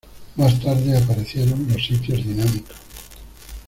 Más tarde aparecieron los sitios dinámicos.